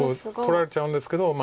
取られちゃうんですけどまあ